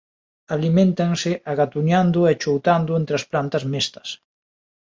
Aliméntanse agatuñando e choutando entre as plantas mestas.